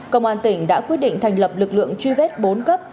công an tỉnh đã quyết định thành lập lực lượng truy vết bốn cấp